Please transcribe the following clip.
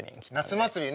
夏祭りね。